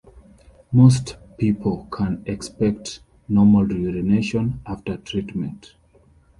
Most people can expect normal urination after treatment.